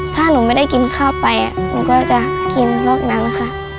ถ้าหนูไม่ได้กินข้าวไปหนูก็จะกินพวกนั้นค่ะ